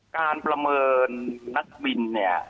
การประเมินนักบิน